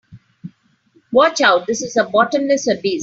Watch out, this is a bottomless abyss!